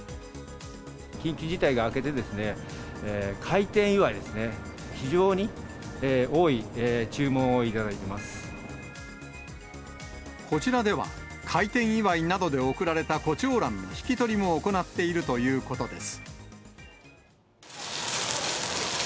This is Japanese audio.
緊急事態が明けてですね、開店祝いですね、こちらでは、開店祝いなどで贈られたコチョウランの引き取りも行っているということです。